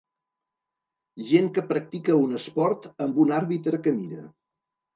Gent que practica un esport amb un àrbitre que mira.